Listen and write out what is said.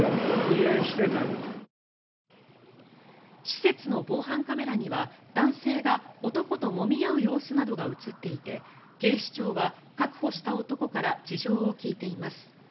施設の防犯カメラには男性が男ともみ合う様子などが映っていて警視庁は確保した男から事情を聴いています。